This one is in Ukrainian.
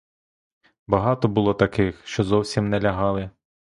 Багато було таких, що зовсім не лягали.